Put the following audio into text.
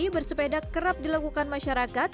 bersepeda kerap dilakukan masyarakat